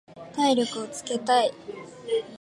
体力をつけたい。